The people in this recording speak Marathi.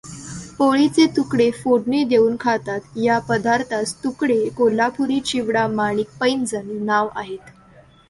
पोळीचे तुकडे फोडणी देउन खातात या पदार्थास तुकडे कोल्हापुरी चिवडा माणिक पैंजण नावे आहेत.